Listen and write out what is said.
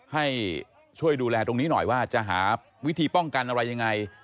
ให้ช่วยดูแลตรงนี้หน่อยว่าจะหาวิธีป้องกันอะไรยังไง